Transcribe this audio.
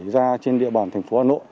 ra trên địa bàn thành phố hà nội